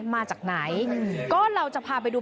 มาจากไหนก็เราจะพาไปดู